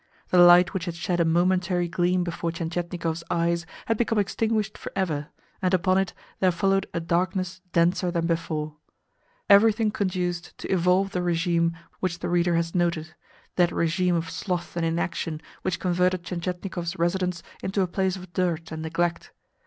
The light which had shed a momentary gleam before Tientietnikov's eyes had become extinguished for ever, and upon it there followed a darkness denser than before. Henceforth everything conduced to evolve the regime which the reader has noted that regime of sloth and inaction which converted Tientietnikov's residence into a place of dirt and neglect.